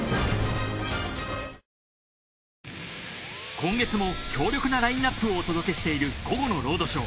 今月も強力なラインナップをお届けしている『午後のロードショー』。